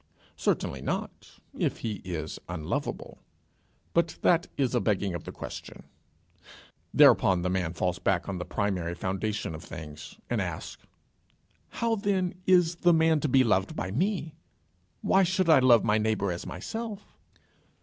Certainly not, if he is unlovable. But that is a begging of the question. Thereupon the man falls back on the primary foundation of things, and asks "How, then, is the man to be loved by me? Why should I love my neighbour as myself?"